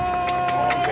ＯＫ！